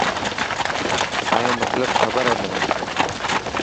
تايون مطلب کبر هي منا.